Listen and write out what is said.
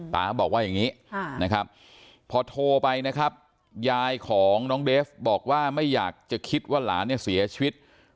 ตาบอกว่าอย่างนี้นะครับพอโทรไปนะครับยายของน้องเดฟบอกว่าไม่อยากจะคิดว่าหลานเนี่ยเสียชีวิต